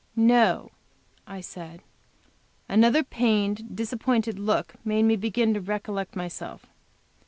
"No," I said. Another pained, disappointed look made me begin to recollect myself.